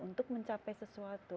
untuk mencapai sesuatu